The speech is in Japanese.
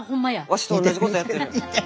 わしとおんなじことやってる。